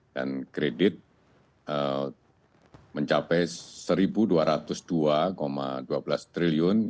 dan kredit mencapai rp satu dua ratus dua dua belas triliun